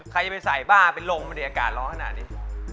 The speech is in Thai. ใครจะไปใส่บ้าเป็นลมพอดีอากาศร้อนขนาดนี้